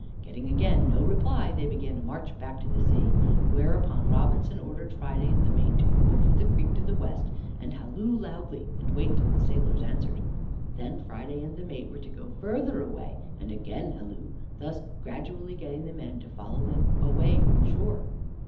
Getting again no reply, they began to march back to the sea. Whereupon Robinson ordered Friday and the mate to go over the creek to the west and halloo loudly, and wait till the sailors answered. Then Friday and the mate were to go further away and again halloo, thus gradually getting the men to follow them away from shore.